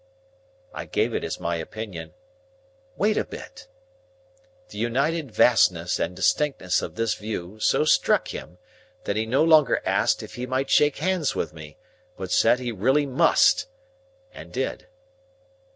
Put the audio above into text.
I gave it as my opinion. "Wait a bit!" The united vastness and distinctness of this view so struck him, that he no longer asked if he might shake hands with me, but said he really must,—and did.